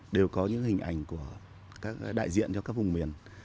đều có những hình ảnh của các đại diện cho các vùng miền